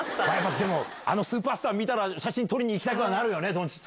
でもあのスーパースター見たら写真撮りに行きたくなるよね。